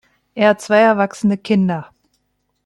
Er hat zwei erwachsene Kinder.